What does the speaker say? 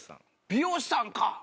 美容師さんか！